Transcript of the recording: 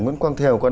nguyễn quang thiều